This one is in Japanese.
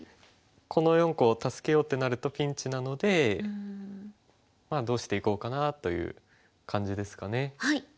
この４個を助けようってなるとピンチなのでまあどうしていこうかなという感じですかね。